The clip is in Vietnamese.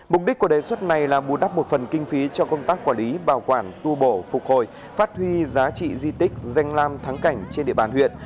mục đích của đề xuất này là bù đắp một phần kinh phí cho công tác quản lý bảo quản tu bổ phục hồi phát huy giá trị di tích danh lam thắng cảnh trên địa bàn huyện